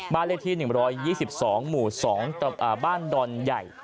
บ้านเลขที่๑๒๒หมู่๒บ้านดอนใหญ่